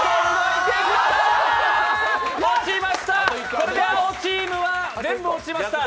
これで青チームは全部落ちました。